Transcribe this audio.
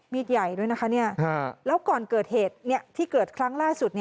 ใหญ่ด้วยนะคะแล้วก่อนเกิดเหตุที่เกิดครั้งล่าสุด